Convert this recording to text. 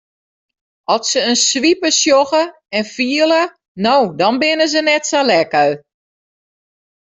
At se in swipe sjogge en fiele no dan binne se net sa lekker.